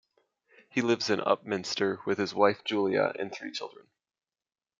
He lives in Upminster with his wife Julia and three children.